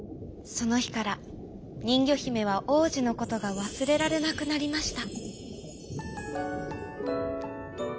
そのひからにんぎょひめはおうじのことがわすれられなくなりました。